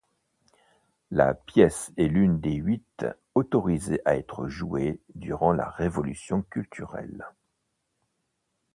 La pièce est l'une des huit autorisées à être jouée durant la Révolution culturelle.